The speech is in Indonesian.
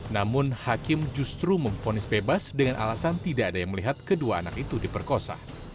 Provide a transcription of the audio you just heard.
namun hakim justru memfonis bebas dengan alasan tidak ada yang melihat kedua anak itu diperkosa